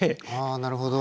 あなるほど。